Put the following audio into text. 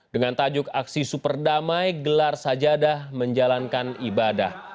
dengan tajuk aksi superdamai gelar sajadah menjalankan ibadah